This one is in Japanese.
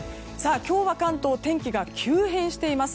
今日は関東、天気が急変しています。